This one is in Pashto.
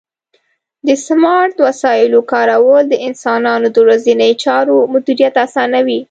د سمارټ وسایلو کارول د انسانانو د ورځنیو چارو مدیریت اسانوي.